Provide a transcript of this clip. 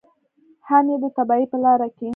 هم یې د تباهۍ په لاره کې.